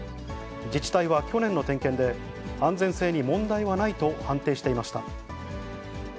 自治体は去年の点検で、安全性に問題はないと判定していました。